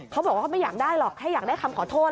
เขาบอกว่าเขาไม่อยากได้หรอกแค่อยากได้คำขอโทษ